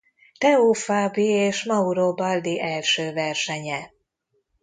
Teo Fabi és Mauro Baldi első versenye.